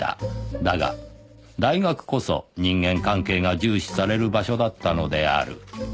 だが大学こそ人間関係が重視される場所だったのである